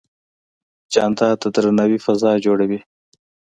جانداد د درناوي فضا جوړوي.